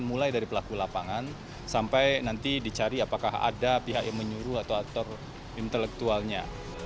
mulai dari pelaku lapangan sampai nanti dicari apakah ada pihak yang menyuruh atau aktor intelektualnya